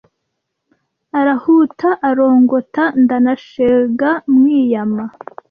Arahuta arangota Ndanashega mwiyama